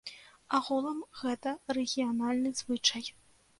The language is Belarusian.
Агулам, гэта рэгіянальны звычай.